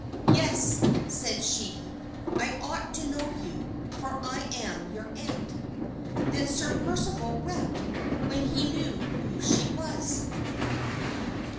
"Yes," said she, "I ought to know you, for I am your aunt." Then Sir Percival wept, when he knew who she was.